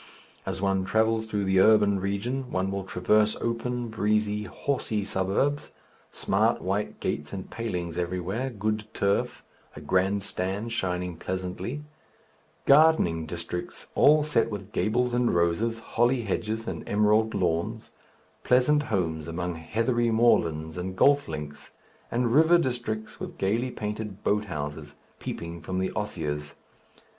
As one travels through the urban region, one will traverse open, breezy, "horsey" suburbs, smart white gates and palings everywhere, good turf, a Grand Stand shining pleasantly; gardening districts all set with gables and roses, holly hedges, and emerald lawns; pleasant homes among heathery moorlands and golf links, and river districts with gaily painted boat houses peeping from the osiers.